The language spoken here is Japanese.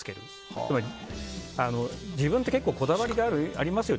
つまり自分って結構こだわりがありますよね。